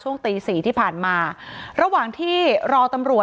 อ๋อเจ้าสีสุข่าวของสิ้นพอได้ด้วย